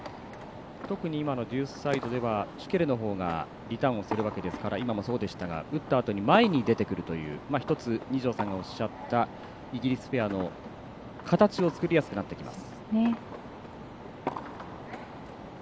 特に今のデュースサイドではシュケルのほうがリターンをするわけですから打ったあと、前に出てくるという二條さんがおっしゃったイギリスペアの形を作りやすくなってきます。